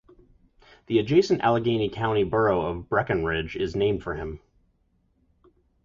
The adjacent Allegheny County borough of Brackenridge is named for him.